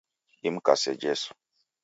Dimkase Jesu.